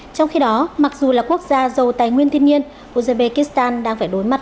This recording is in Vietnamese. trong khi đó mặc dù là quốc gia giàu tài nguyên thiên nhiên uzbekistan đang phải đối mặt